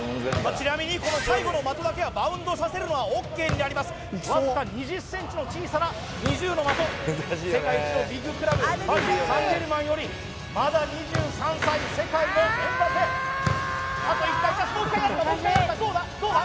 ちなみにこの最後の的だけはバウンドさせるのはＯＫになりますわずか２０ｃｍの小さな２０の的世界一のビッグクラブパリ・サン＝ジェルマンよりまだ２３歳世界のエムバペあと１回どうだ？